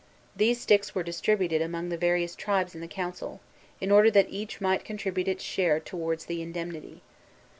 These sticks were distributed among the various tribes in the council, in order that each might contribute its share towards the indemnity.